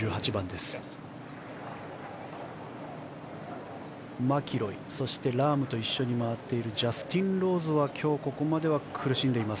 そしてマキロイ、ラームと一緒に回っているジャスティン・ローズは今日ここまで苦しんでいます。